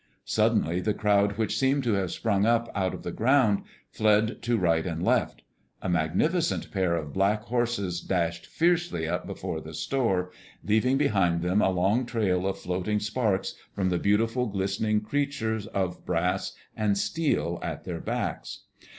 Suddenly the crowd, which seemed to have sprung up out of the ground, fled to right and left. A magnificent pair of black horses dashed fiercely up before the store, leaving behind them a long trail of floating sparks from the beautiful, glistening creature of brass and steel at their backs.